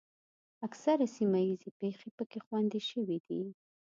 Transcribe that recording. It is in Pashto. اکثره سیمه ییزې پېښې پکې خوندي شوې دي.